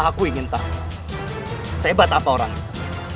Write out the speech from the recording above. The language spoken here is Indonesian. aku ingin tahu sehebat apa orang itu